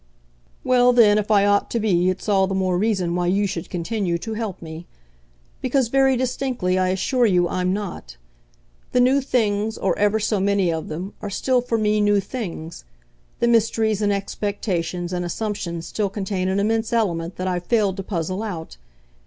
"Well then, if I ought to be it's all the more reason why you should continue to help me. Because, very distinctly, I assure you, I'm not. The new things or ever so many of them are still for me new things; the mysteries and expectations and assumptions still contain an immense element that I've failed to puzzle out.